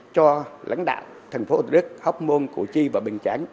cho lãnh đạo thành phố hồ chí minh học môn cụ chi và bình chán